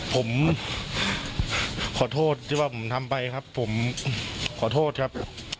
ผมขอโทษที่ว่าผมทำไปครับผมขอโทษครับ